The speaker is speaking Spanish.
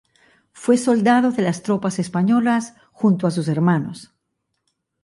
Fue soldado de las tropas españolas, junto a sus hermanos.